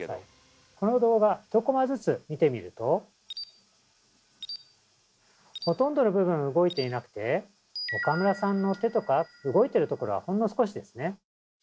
この動画１コマずつ見てみるとほとんどの部分動いていなくて岡村さんの手とか動いてるところはほんの少しですね。